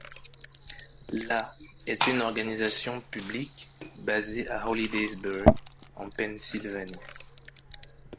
La est une organisation publique basée à Hollidaysburg en Pennsylvanie.